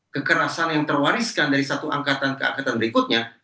kekerasan yang terwariskan dari satu angkatan ke angkatan berikutnya